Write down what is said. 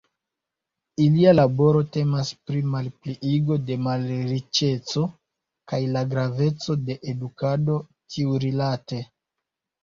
Ilia laboro temas pri “malpliigo de malriĉeco” kaj la graveco de edukado tiurilate.